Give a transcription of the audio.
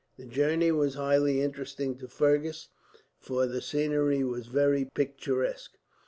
The journey was highly interesting to Fergus, for the scenery was very picturesque.